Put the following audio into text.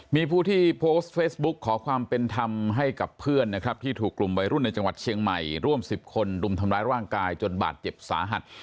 มีผู้ที่โพสต์เฟซบุ๊กขอความเป็นธรรมให้กับเพื่อนนะครับที่ถูกกลุ่มวัยรุ่นในจังหวัดเชียงใหม่ร่วม๑๐คนรุมทำร้ายร่างกายจนบาดเจ็บสาหัส